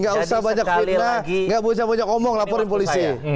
gak usah banyak fitnah nggak usah banyak ngomong laporin polisi